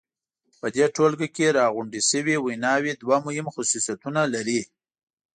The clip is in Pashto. په دې ټولګه کې راغونډې شوې ویناوی دوه مهم خصوصیتونه لري.